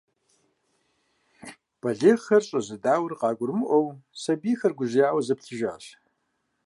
Балигъхэр щӏызэдауэр къагурымыӏуэу, сэбийхэр гужьеяуэ заплъыжащ.